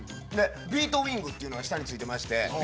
ビートウィングっていうのが下に付いてまして。